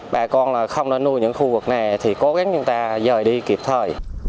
bà con không nuôi những khu vực này thì cố gắng chúng ta dời đi kịp thời